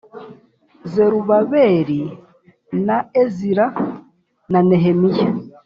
zerubabeli na ezira na nehemiya